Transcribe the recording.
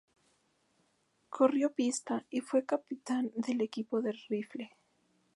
Corrió pista y fue capitán del equipo de rifle.